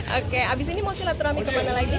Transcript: oke abis ini mau silaturahmi kemana lagi